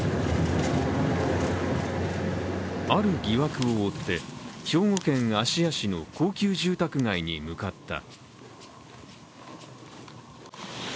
ある疑惑を追って、兵庫県芦屋市の高級住宅街に向かった。